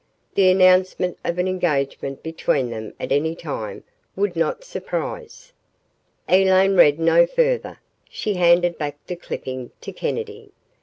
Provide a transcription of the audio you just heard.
The announcement of an engagement between them at any time would not surprise Elaine read no further. She handed back the clipping to Kennedy.